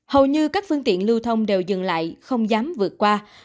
hầu như các phương tiện lưu thông đều dừng lại không dám vượt qua